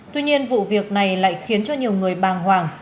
tuy nhiên vụ việc này lại khiến cho nhiều người bàng hoàng